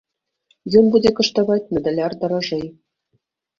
Ён будзе каштаваць на даляр даражэй.